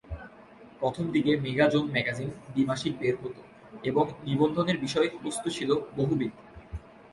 প্রথমদিকে mega zone magazine দ্বি-মাসিক বের হত এবং নিবন্ধের বিষয়বস্তু ছিলো বহুবিধ।